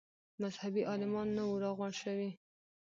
مذهبي عالمان نه وه راغونډ شوي.